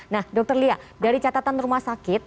nah dokter lia dari catatan rumah sakit